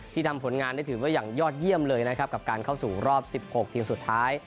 ทำผลงานได้ถือว่าอย่างยอดเยี่ยมเลยนะครับกับการเข้าสู่รอบ๑๖ทีมสุดท้าย